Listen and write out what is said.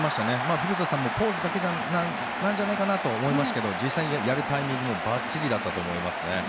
古田さんもポーズだけなんじゃないかとおっしゃっていましたが実際にやるタイミングもばっちりだったと思いますね。